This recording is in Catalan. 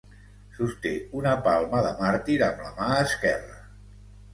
Sosté una palma de màrtir amb la mà esquerra.